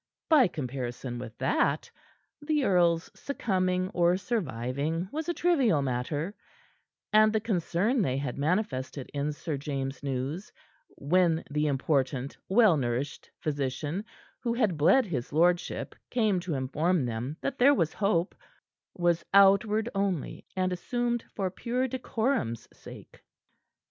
By comparison with that, the earl's succumbing or surviving was a trivial matter; and the concern they had manifested in Sir James' news when the important, well nourished physician who had bled his lordship came to inform them that there was hope was outward only, and assumed for pure decorum's sake.